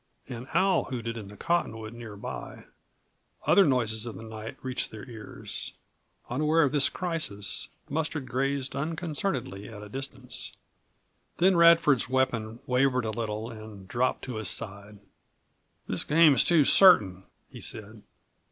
An owl hooted in the cottonwood nearby; other noises of the night reached their ears. Unaware of this crisis Mustard grazed unconcernedly at a distance. Then Radford's weapon wavered a little and dropped to his side. "This game's too certain," he said.